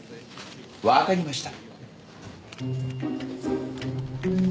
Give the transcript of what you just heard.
わかりました。